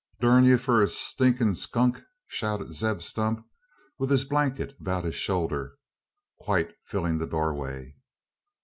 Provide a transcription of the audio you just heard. "Durn ye for a stinkin' skunk!" shouted Zeb Stump, with his blanket about his shoulder, quite filling the doorway.